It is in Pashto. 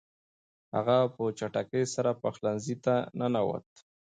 هغه په چټکۍ سره پخلنځي ته ننووت.